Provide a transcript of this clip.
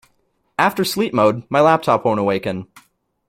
After sleep mode, my laptop won't awaken.